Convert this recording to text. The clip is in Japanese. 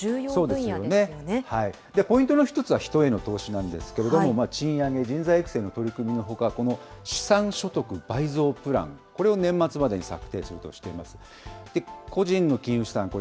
これかポイントの一つは、人への投資なんですけれども、賃上げ、人材育成の取り組みのほか、この資産所得倍増プラン、これを年末までに策定するとしています。